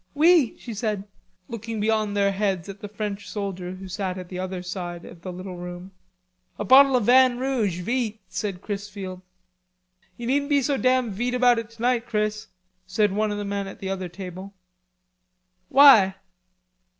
"Oui," she said, looking beyond their heads at the French soldier who sat at the other side of the little room. "A bottle of vin rouge, vite," said Chrisfield. "Ye needn't be so damn vite about it tonight, Chris," said one of the men at the other table. "Why?"